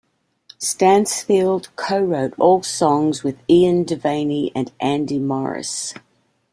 Stansfield co-wrote all songs with Ian Devaney and Andy Morris.